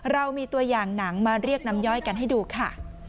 เรามีตัวอย่างหนังมาเรียกน้ำย่อยกันให้ดูค่ะ